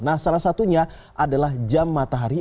nah salah satunya adalah jam matahari